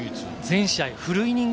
全試合フルイニング